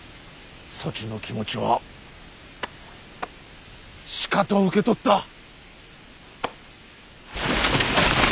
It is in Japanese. そちの気持ちはしかと受け取った。